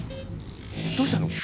どうしたの？